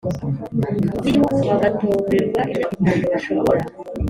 y Igihugu bagatorerwa imyaka itanu Bashobora